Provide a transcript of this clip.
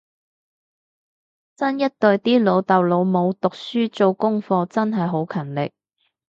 新一代啲老豆老母讀書做功課真係好勤力